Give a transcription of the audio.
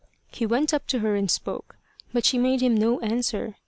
He went up to her and spoke; but she made him no answer.